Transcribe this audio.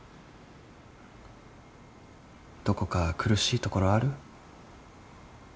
どこか苦しいところある？